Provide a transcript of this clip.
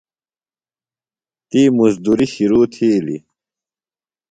تی مُزدُری شِرو تِھیلیۡ۔